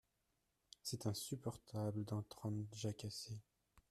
C’est insupportable d’entendre jacasser…